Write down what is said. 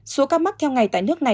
số ca mắc theo ngày tại nước này